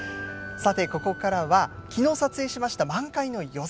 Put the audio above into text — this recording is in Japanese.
さて、ここからは昨日撮影しました満開の夜桜。